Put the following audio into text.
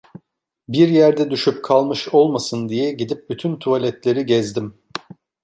Bir yerde düşüp kalmış olmasın diye gidip bütün tuvaletleri gezdim.